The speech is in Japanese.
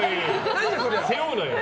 背負うなよ。